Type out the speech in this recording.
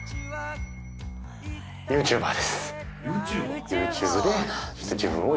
ＹｏｕＴｕｂｅｒ？